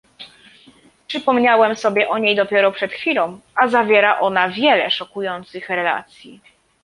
Przypomniałem sobie o niej dopiero przed chwilą, a zawiera ona wiele szokujących relacji